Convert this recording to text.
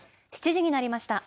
７時になりました。